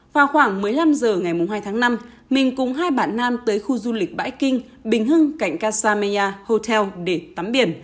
vào khoảng một mươi năm h ngày hai tháng năm mình cùng hai bạn nam tới khu du lịch bãi kinh bình hưng cạnh kasameya hotel để tắm biển